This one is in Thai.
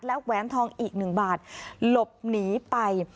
และแหวนทองอีก๑บาทหลบหนีไป